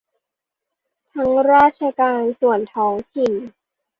ทั้งราชการส่วนท้องถิ่น